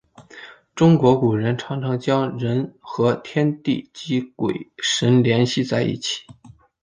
中国古人常常将人和天地及鬼神联系在一起。